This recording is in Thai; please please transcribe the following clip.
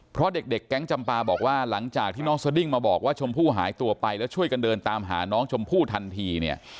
เพราะเด็กแก๊งจำปาบอกว่าหลังจากที่น้องสดิ้งมาบอกว่าชมพู่หายตัวไปแล้วช่วยกันเดินตามหาน้องชมพู่ทันทีเนี่ย